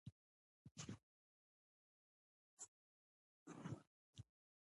باز د نورو مرغانو له ډلې بېل دی